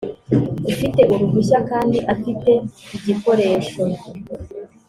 ufite uruhushya kandi afite igikoresho